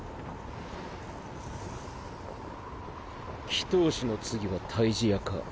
祈祷師の次は退治屋か。